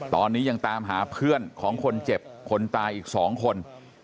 ตอนนี้ยังตามหาเพื่อนของคนเจ็บคนตายอีก๒คน